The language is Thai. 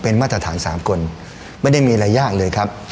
เป็นมาตรฐาน๓คนไม่ได้มีอะไรยากเลยครับ